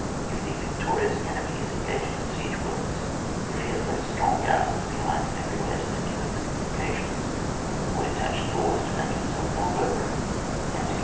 If the victorious enemy is engaged in siege works, if he has left strong gar risons behind him everywhere to secure his communications, or detached corps to make himself elbow room, and to keep 178 ON WAR.